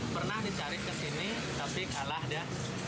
pernah dicari ke sini tapi kalah dia